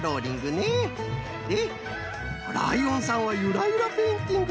でライオンさんはゆらゆらペインティング。